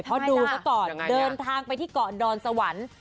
เพราะดูซะก่อนเดินทางไปที่เกาะดอนสวรรค์